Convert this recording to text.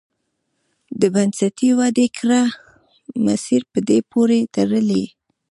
د بنسټي ودې کره مسیر په دې پورې تړلی.